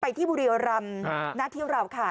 ไปที่บุรีโยรัมนักที่เราค่ะ